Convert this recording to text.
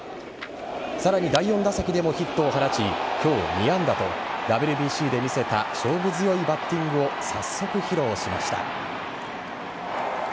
さらに第４打席でもヒットを放ち今日２安打とＷＢＣで見せた勝負強いバッティングを早速、披露しました。